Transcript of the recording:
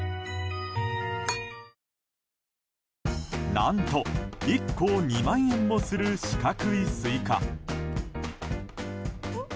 何と１個２万円もする四角いスイカ。